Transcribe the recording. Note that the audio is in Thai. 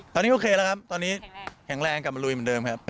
ตอนนี้โอเคแล้วครับตอนนี้แข็งแรงกลับมาลุยเหมือนเดิมครับ